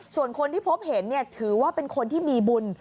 ส่วนคนที่พบเห็นถือว่าเป็นคนที่มีบุญ